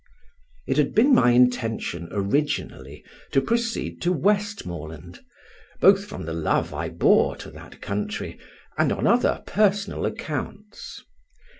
It had been my intention originally to proceed to Westmoreland, both from the love I bore to that country and on other personal accounts.